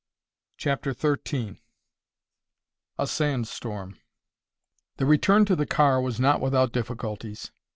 CHAPTER XIII A SAND STORM The return to the car was not without difficulties.